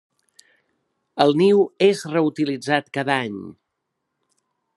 El niu és reutilitzat cada any.